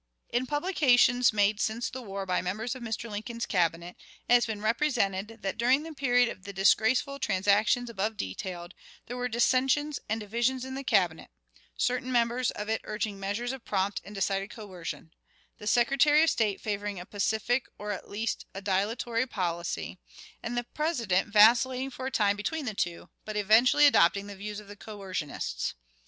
In publications made since the war by members of Mr. Lincoln's Cabinet, it has been represented that, during the period of the disgraceful transactions above detailed, there were dissensions and divisions in the Cabinet certain members of it urging measures of prompt and decided coercion; the Secretary of State favoring a pacific or at least a dilatory policy; and the President vacillating for a time between the two, but eventually adopting the views of the coercionists.